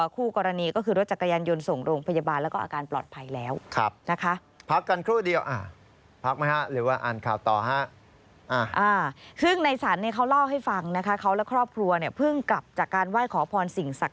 คู่กรณีก็คือรถจักรไยนยนต์ส่งโรงพยาบาล